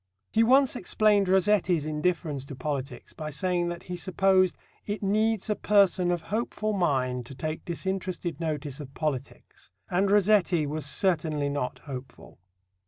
He once explained Rossetti's indifference to politics by saying that he supposed "it needs a person of hopeful mind to take disinterested notice of politics, and Rossetti was certainly not hopeful."